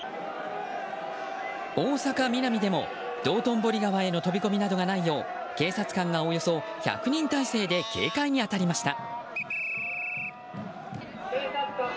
大阪ミナミでも道頓堀川への飛び込みなどがないよう警察官がおよそ１００人体制で警戒に当たりました。